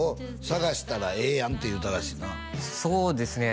「探したらええやん」って言うたらしいなそうですね